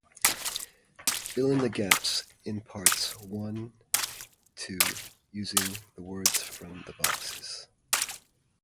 Fill in the gaps in parts i-ii using the words from the boxes.